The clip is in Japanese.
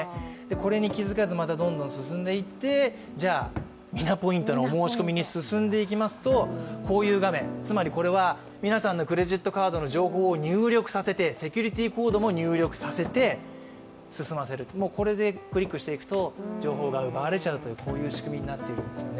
これに気づかずどんどん進んでいって「ミナポイント」を得るためにこういう画面、つまりこれは皆さんのクレジットカードの情報を入力させて、セキュリティーコードも入力させて進ませる、これでクリックしていくと情報を奪われちゃうという仕組みになってるんですよ